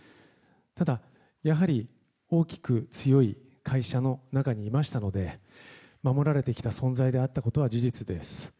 ただ、やはり大きく強い会社の中にいましたので守られてきた存在であったことは事実です。